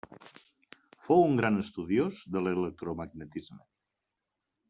Fou un gran estudiós de l'electromagnetisme.